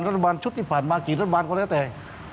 รัฐบาลชุดที่ผ่านมากี่รัฐบาลก็แล้วแต่